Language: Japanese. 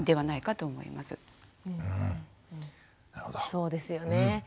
そうですよね。